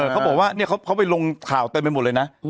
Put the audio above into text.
เขาบอกว่าเขาไปลงข่าวเต็มไปหมดเลยนะ